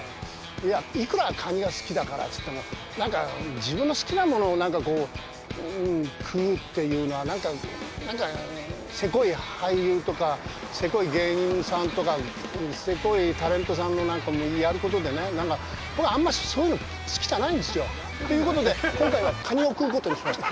いや、いくらカニが好きだからっつって自分の好きなものを食うっていうのはなんか、せこい俳優とかせこい芸人さんとかせこいタレントさんのやることでね、僕は、あんましそういうの好きじゃないんですよ。ということで今回は、カニを食うことにしました。